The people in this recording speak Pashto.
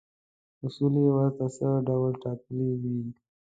اصول یې ورته څه ډول ټاکلي وي.